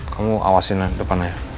kamu awasin lah depannya